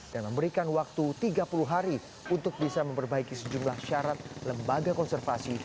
dan memberikan waktu tiga puluh hari untuk bisa memperbaiki sejumlah syarat lembaga konservasi